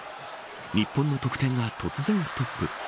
日本の得点が突然ストップ。